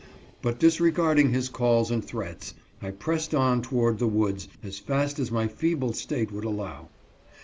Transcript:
But, disregarding his calls and threats, I pressed on toward the woods as fast as my feeble state would allow.